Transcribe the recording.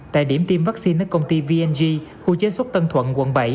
tại điểm tiêm vaccine ở công ty vng khu chế xuất tân thuận quận bảy